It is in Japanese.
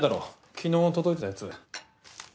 昨日届いてたやつ。